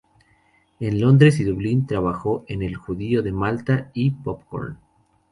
En Londres y Dublín trabajó en "El judío de Malta" y "Popcorn".